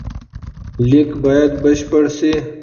لیک باید بشپړ سي.